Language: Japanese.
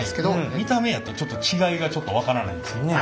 見た目やとちょっと違いがちょっと分からないんですけど。